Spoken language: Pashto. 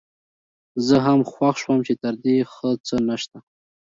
زه هم خوښ شوم چې تر دې ښه څه نشته.